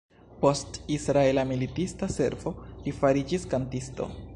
Post Israela militista servo, li fariĝis kantisto.